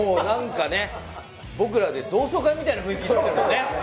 僕らで同窓会みたいな雰囲気になっているよね。